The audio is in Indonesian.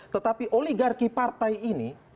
tetapi oligarki partai ini